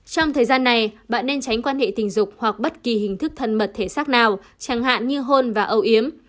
trong thời gian này bạn nên tránh quan hệ tình dục hoặc bất kỳ hình thức thân mật thể xác nào chẳng hạn như hôn và âu yếm